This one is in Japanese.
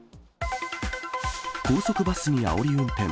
高速バスにあおり運転。